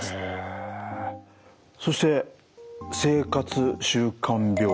そして生活習慣病。